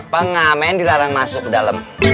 pengamen dilarang masuk ke dalam